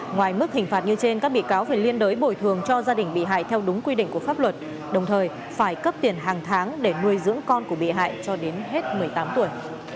ngoài mức hình phạt như trên các bị cáo phải liên đối bồi thường cho gia đình bị hại theo đúng quy định của pháp luật đồng thời phải cấp tiền hàng tháng để nuôi dưỡng con của bị hại cho đến hết một mươi tám tuổi